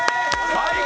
最高！